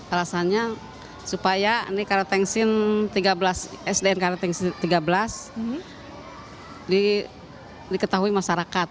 alasannya supaya sdn karet tengsin tiga belas diketahui masyarakat